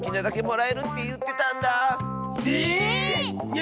え？